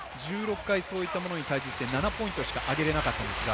１６回そういったものに対して７ポイントしか挙げれなかったんですが。